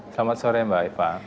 selamat sore mbak eva